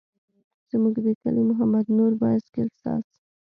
زموږ د کلي محمد نور بایسکل ساز.